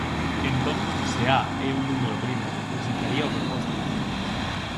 Entón, se A é un número primo, resultaría o proposto.